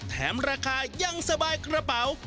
แถมราคายังสบายกระเป๋า